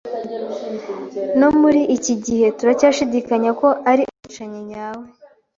No muri iki gihe, turacyashidikanya ko ari umwicanyi nyawe.